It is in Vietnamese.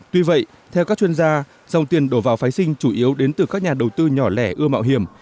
tuy vậy theo các chuyên gia dòng tiền đổ vào phái sinh chủ yếu đến từ các nhà đầu tư nhỏ lẻ ưa mạo hiểm